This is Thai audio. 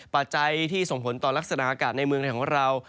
ปัจจัยที่ส่งผลตอนลักษณะอากาศในเมืองไพร์โรว